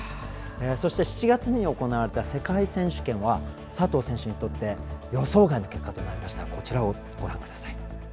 そして７月に行われた世界選手権は佐藤選手にとって予想外の結果となりました。